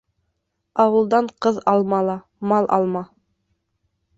Ауылдан ҡыҙ алма ла, мал алма.